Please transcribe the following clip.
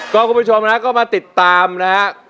ก็คุณผู้ชมนะก็มาติดตามนะฮะ